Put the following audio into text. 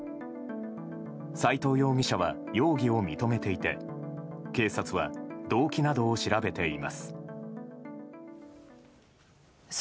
斎藤容疑者は容疑を認めていて警察は動機などを調べています。